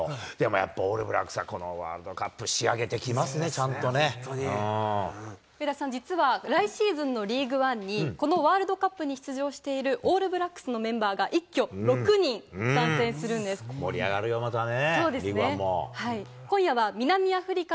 やっぱり、オールブラックスはこのワールドカップ、仕上げてきま上田さん、実は、来シーズンのリーグワンに、このワールドカップに出場しているオールブラックスのメンバーが一挙６人、盛り上がるよ、またね。